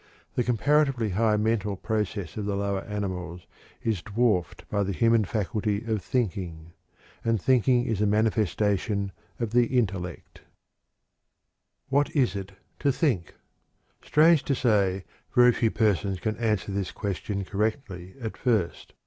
The comparatively high mental process of the lower animals is dwarfed by the human faculty of "thinking." And thinking is the manifestation of the intellect. What is it to think? Strange to say, very few persons can answer this question correctly at first.